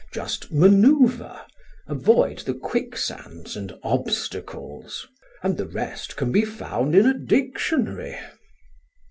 Just maneuver, avoid the quicksands and obstacles, and the rest can be found in a dictionary."